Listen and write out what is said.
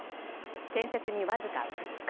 建設にわずか２日。